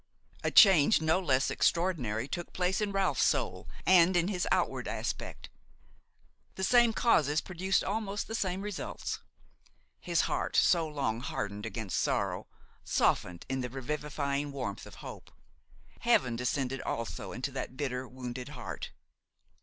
A change no less extraordinary took place in Ralph's soul and in his outward aspect; the same causes produced almost the same results. His heart, so long hardened against sorrow, softened in the revivifying warmth of hope. Heaven descended also into that bitter, wounded heart.